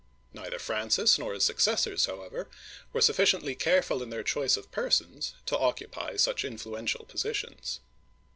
Neither Francis nor his successors, however, were sufficiently careful in their choice of persons to occupy such influential positions.